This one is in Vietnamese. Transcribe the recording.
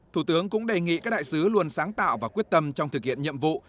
thủ tướng cũng đề nghị các đại sứ luôn sáng tạo và quyết tâm trong thực hiện nhiệm vụ